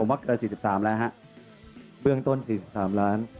ผมว่าเกิด๔๓ล้านบาทฟื้องต้น๔๓ล้านบาท